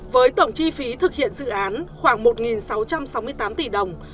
với tổng chi phí thực hiện dự án khoảng một sáu trăm sáu mươi tám tỷ đồng